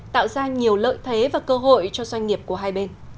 tạo ra nhiều lợi thế và cơ hội cho doanh nghiệp của hai bên